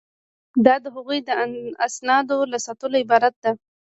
دا د هغوی د اسنادو له ساتلو عبارت ده.